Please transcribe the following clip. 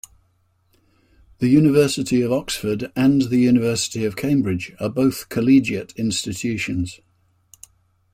The University of Oxford and the University of Cambridge are both collegiate institutions